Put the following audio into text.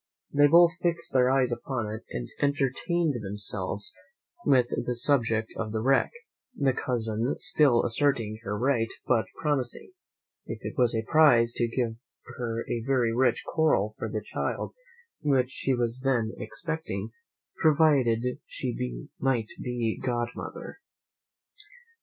They both fixed their eyes upon it, and entertained themselves with the subject of the wreck, the cousin still asserting her right, but promising, "if it was a prize, to give her a very rich coral for the child which she was then expecting, provided she might be godmother."